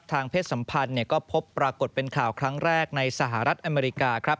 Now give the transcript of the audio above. เพศสัมพันธ์ก็พบปรากฏเป็นข่าวครั้งแรกในสหรัฐอเมริกาครับ